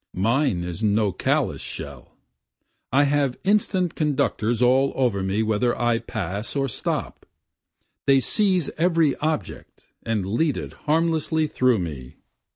Mine is no callous shell, I have instant conductors all over me whether I pass or stop, They seize every object and lead it harmlessly through me.